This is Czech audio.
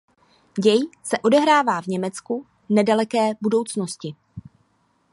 Děj se odehrává v Německu nedaleké budoucnosti.